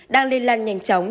đang lây lan nhanh chóng